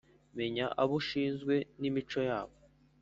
menya abo ushinzwe n’imico yabo